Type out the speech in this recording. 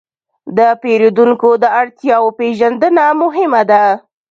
د پیرودونکو د اړتیاوو پېژندنه مهمه ده.